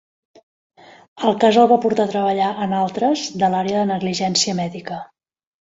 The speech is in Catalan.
El cas el va portar a treballar en altres de l'àrea de negligència mèdica.